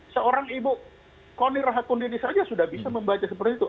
seorang ibu konirahakundini saja sudah bisa membaca seperti itu